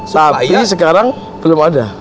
tapi sekarang belum ada